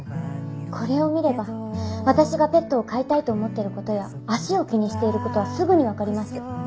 これを見れば私がペットを飼いたいと思ってる事や足を気にしている事はすぐにわかります。